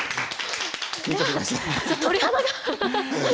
鳥肌が。